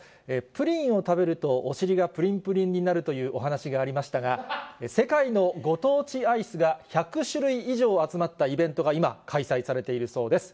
プリンを食べるとお尻がぷりんぷりんになるというお話がありましたが、世界のご当地アイスが１００種類以上集まったイベントが今、開催されているそうです。